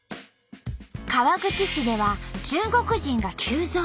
川口市では中国人が急増。